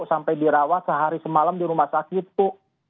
sampai dirawat sehari semalam di rumah sakit bu